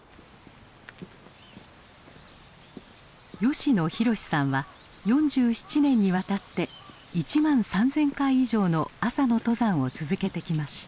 吉野宏さんは４７年にわたって１万３，０００回以上の朝の登山を続けてきました。